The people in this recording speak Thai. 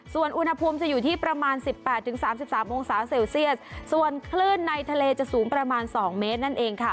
ส่วนอุณหภูมิจะอยู่ที่ประมาณสิบแปดถึงสามสิบสามองศาเซลเซียสส่วนคลื่นในทะเลจะสูงประมาณสองเมตรนั่นเองค่ะ